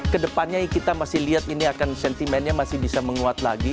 kedepannya kita masih lihat ini akan sentimennya masih bisa menguat lagi